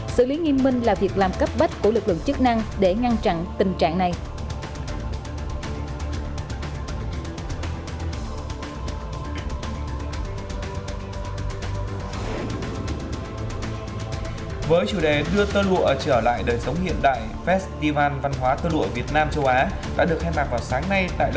xử lý nghiêm minh là việc làm cấp bách của lực lượng chức năng để ngăn chặn tình trạng này